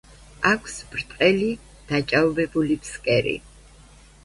აქვს ბრტყელი დაჭაობებული ფსკერი.